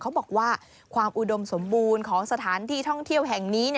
เขาบอกว่าความอุดมสมบูรณ์ของสถานที่ท่องเที่ยวแห่งนี้